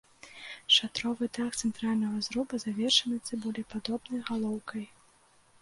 Шатровы дах цэнтральнага зруба завершаны цыбулепадобнай галоўкай.